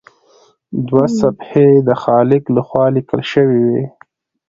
دوه صفحې یې د خالق لخوا لیکل شوي وي.